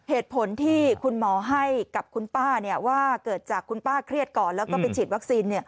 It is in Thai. เหตุผลที่คุณหมอให้กับคุณป้าว่าเกิดจากคุณป้าเครียดก่อนแล้วก็ไปฉีดวัคซีน